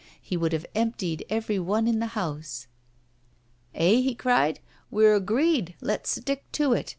He would have emptied every one in the house. 'Eh?' he cried, 'we're agreed, let's stick to it.